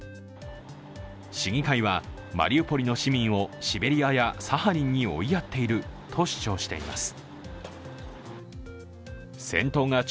市議会は、マリウポリの市民をシベリアやサハリンに追いやっていると主張しています。